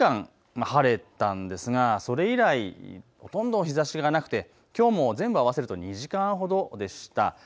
この前の日曜日に９時間晴れたんですがそれ以来、ほとんど日ざしがなくて、きょうも全部合わせると２時間ほどでした。